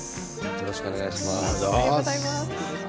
よろしくお願いします。